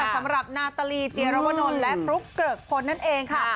สำหรับนาตาลีเจียรวนลและฟลุ๊กเกริกพลนั่นเองค่ะ